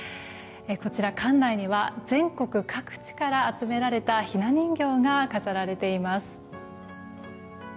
こちら、館内には全国各地から集められたひな人形が飾られています。